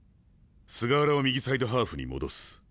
菅原を右サイドハーフに戻す。